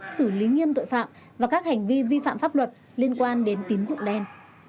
xử lý nghiêm tội phạm và các hành vi vi phạm pháp luật liên quan đến tín dụng đen